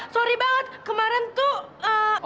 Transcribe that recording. sorry banget kemarin tuh